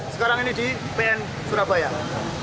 sekarang ini di pn surabaya